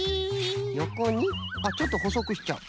あっちょっとほそくしちゃう？